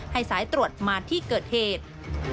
สายตรวจมาที่เกิดเหตุ